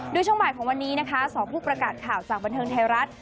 โดยช่วงบ่ายของวันนี้นะคะ๒ผู้ประกาศข่าวจากบันเทิงไทยรัฐ